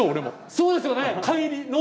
そうですよね！